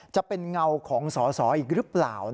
จะเป็นเงาของสอสออีกหรือเปล่า